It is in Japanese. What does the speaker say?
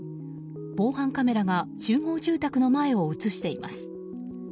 防犯カメラが集合住宅の前を映しています。